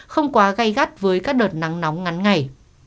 không quá gây gắt với các đợt nắng nóng ngắn ngày